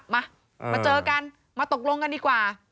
มามาเจอกันมาตกลงกันดีกว่า